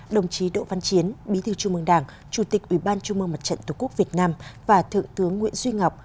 đồng chí đỗ văn chiến bí thư trung mương đảng chủ tịch ủy ban trung mương mặt trận tổ quốc việt nam và thượng tướng nguyễn duy ngọc